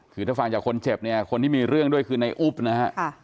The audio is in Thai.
คือถ้าฟังจากคนเจ็บเนี่ยคนที่มีเรื่องด้วยคือในอุ๊บนะฮะ